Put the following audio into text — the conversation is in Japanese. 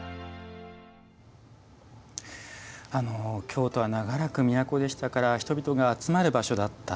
京都は長らく都でしたから人々が集まる場所だった。